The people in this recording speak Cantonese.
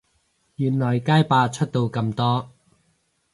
原來街霸出到咁多